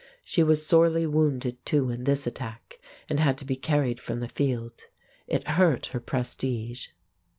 She was sorely wounded too in this attack and had to be carried from the field. It hurt her prestige.